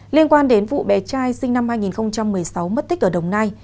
liên quan đến vụ bé trai sinh năm hai nghìn một mươi sáu mất tích ở đồng nai